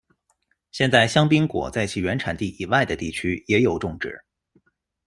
现在香槟果在其原产地以外的地区也有种植。